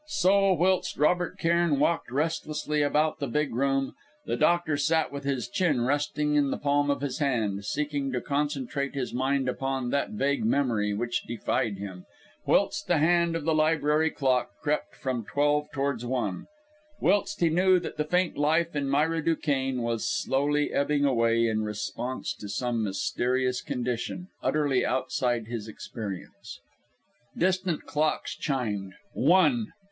So, whilst Robert Cairn walked restlessly about the big room, the doctor sat with his chin resting in the palm of his hand, seeking to concentrate his mind upon that vague memory, which defied him, whilst the hand of the library clock crept from twelve towards one; whilst he knew that the faint life in Myra Duquesne was slowly ebbing away in response to some mysterious condition, utterly outside his experience. Distant clocks chimed One!